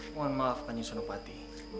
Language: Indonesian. mohon maaf kanjeng sunupati